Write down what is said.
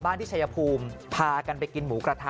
ที่ชายภูมิพากันไปกินหมูกระทะ